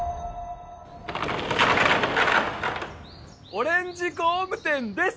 オレンジ工務店です！